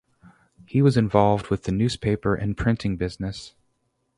He was involved with the newspaper and printing business.